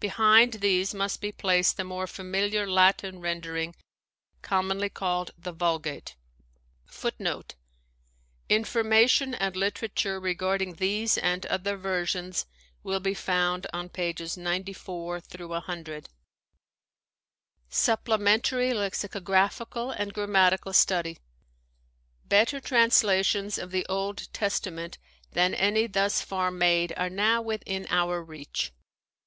Behind these must be placed the more familiar Latin rendering, commonly called the Vulgate.'^ 'Information and literature regarding these and other versions will be found on pp. 94 100. 88 GUIDE TO STUDY OF CHRISTIAN RELIGION Supplementary lexicographical and grammatical study .^ Better translations of the Old Testament than any thus far made are now within our reach.